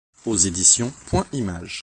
Aux éditions Point Image.